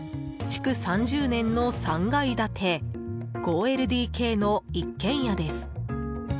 築３０年の３階建て５ＬＤＫの一軒家です。